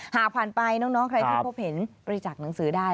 หากผ่านไปน้องใครที่พบเห็นบริจาคหนังสือได้